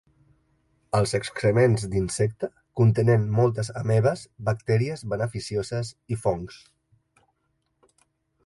Els excrements d'insecte contenent moltes amebes, bactèries beneficioses i fongs.